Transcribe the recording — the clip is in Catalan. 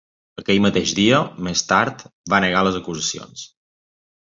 Aquell mateix dia, més tard, va negar les acusacions.